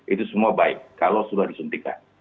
itu semua baik kalau sudah disuntikan